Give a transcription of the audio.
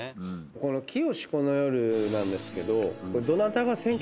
この『きよしこの夜』なんですけど。